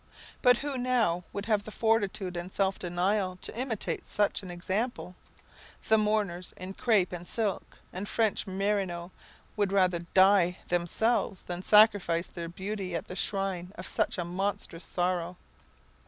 But who now would have the fortitude and self denial to imitate such an example? The mourners in crape, and silk, and French merino, would rather die themselves than sacrifice their beauty at the shrine of such a monstrous sorrow.